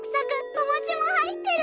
おもちも入ってる！